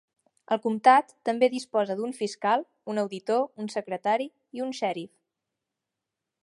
El comtat també disposa d'un fiscal, un auditor, un secretari i un xèrif.